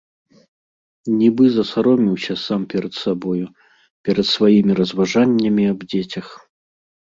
Нібы засаромеўся сам перад сабою, перад сваімі разважаннямі аб дзецях.